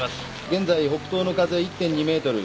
現在北東の風１．２メートル。